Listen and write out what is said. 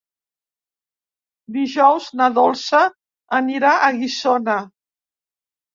Dijous na Dolça anirà a Guissona.